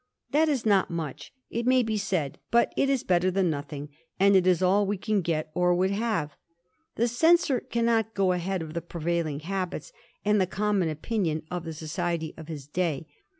That is not much, it may be said, but it is better than nothing, and it is all we can get or would have. The censor cannot go ahead of the prevailing habits ^nd the common opinion of the society of his day.